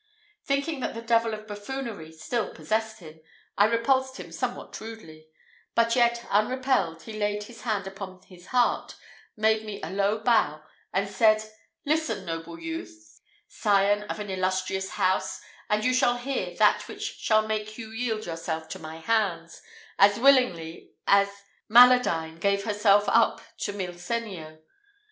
Thinking that the devil of buffoonery still possessed him, I repulsed him somewhat rudely; but yet unrepelled, he laid his hand upon his heart, made me a low bow, and said, "Listen, noble youth, scion of an illustrious house, and you shall hear that which shall make you yield yourself to my hands, as willingly as Maladine gave herself up to Milsenio.